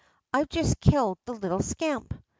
"I've just killed the little scamp."